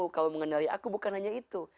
kalau mengenali aku bukan hanya itu